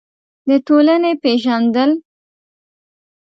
د ټولنې پېژندل: